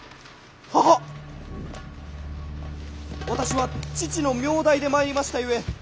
私は父の名代で参りましたゆえ。